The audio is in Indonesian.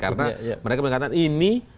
karena mereka mengatakan ini